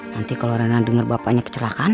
nanti kalau rena denger bapaknya kecelakaan